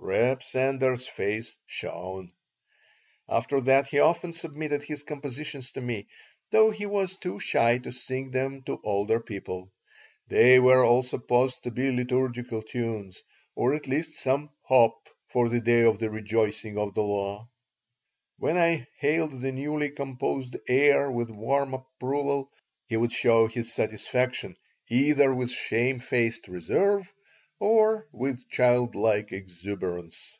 Reb Sender's face shone After that he often submitted his compositions to me, though he was too shy to sing them to older people. They were all supposed to be liturgical tunes, or at least some "hop" for the Day of the Rejoicing of the Law. When I hailed the newly composed air with warm approval he would show his satisfaction either with shamefaced reserve or with child like exuberance.